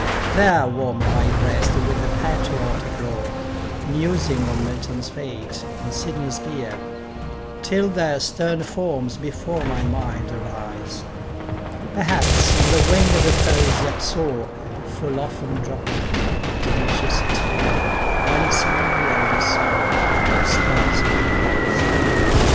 There warm my breast with patriotic lore, Musing on Milton's fate on Sydney's bier Till their stern forms before my mind arise: Perhaps on the wing of Poesy upsoar, Full often dropping a delicious tear, When some melodious sorrow spells mine eyes.